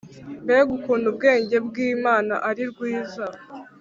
Mbega ukuntu ubwenge bw Imana ari rwiza